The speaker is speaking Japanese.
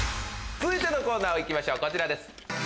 続いてのコーナー行きましょうこちらです。